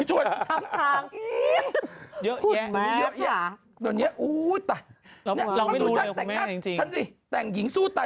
ช่วยข้ำทางอื้อเยอะแยะหล่า